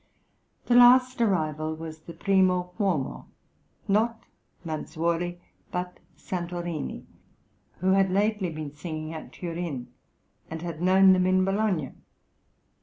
The last arrival was the primo uomo not Manzuoli, but Santorini, who had lately been singing at Turin, and had known them in Bologna.